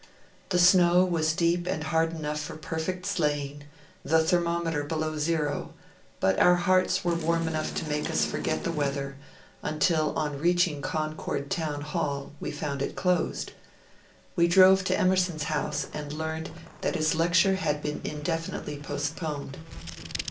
The snow was deep and hard enough for perfect sleighing, the ther mometer below zero, but our hearts were warm enough to make us forget the weather until on reaching Concord Town Hall we found it closed. We drove to Emerson's house and learned that his lecture had been indefinitely postponed.